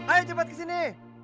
ayo cepet kesini